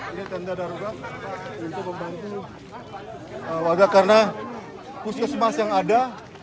ini tenda darurat untuk membantu warga karena puskesmas yang ada